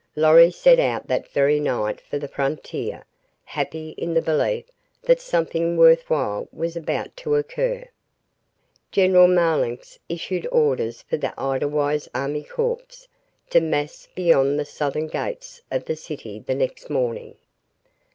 Lorry set out that very night for the frontier, happy in the belief that something worth while was about to occur. General Marlanx issued orders for the Edelweiss army corps to mass beyond the southern gates of the city the next morning.